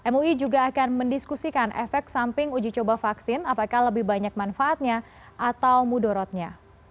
mui juga akan mendiskusikan efek samping uji coba vaksin apakah lebih banyak manfaatnya atau mudorotnya